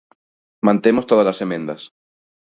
Mantemos todas as emendas.